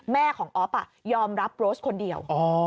แม่ของอ๊อฟยอมรับโรสคนเดียว